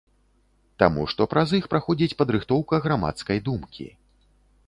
Таму што праз іх праходзіць падрыхтоўка грамадскай думкі.